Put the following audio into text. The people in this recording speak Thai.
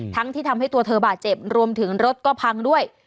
ที่ทำให้ตัวเธอบาดเจ็บรวมถึงรถก็พังด้วย